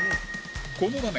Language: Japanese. この場面